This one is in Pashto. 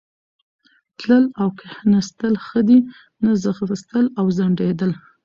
تلل او کښېنستل ښه دي، نه ځغستل او ځنډېدل.